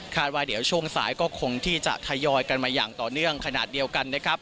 ว่าเดี๋ยวช่วงสายก็คงที่จะทยอยกันมาอย่างต่อเนื่องขนาดเดียวกันนะครับ